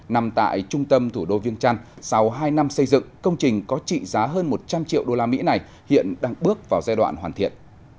nằm tại trung tâm thủ đô viêng trăn sau hai năm xây dựng công trình có trị giá hơn một trăm linh triệu usd này hiện đang bước vào giai đoạn hoàn thiện